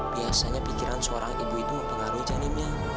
biasanya pikiran seorang ibu itu mempengaruhi janinnya